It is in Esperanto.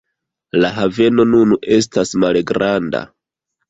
La haveno nun estas malgranda.